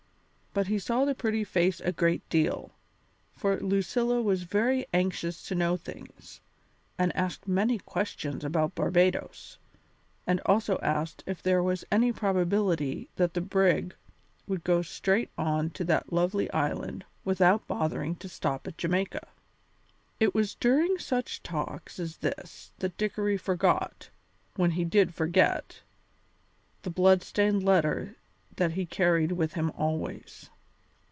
But he saw the pretty face a great deal, for Lucilla was very anxious to know things, and asked many questions about Barbadoes, and also asked if there was any probability that the brig would go straight on to that lovely island without bothering to stop at Jamaica. It was during such talks as this that Dickory forgot, when he did forget, the blood stained letter that he carried with him always.